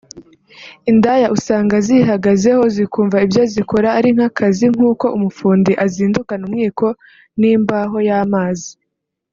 Indaya usanga zihagazeho zikumva ibyo zikora ari nk’akazi nk’uko umufundi azindukana umwiko n’imbaho y’amazi